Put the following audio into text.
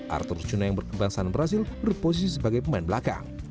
artur cuna yang berkebangsaan berhasil berposisi sebagai pemain belakang